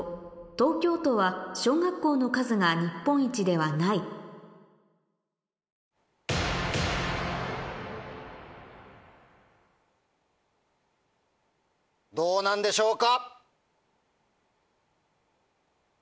東京都は小学校の数が日本一ではないどうなんでしょうか？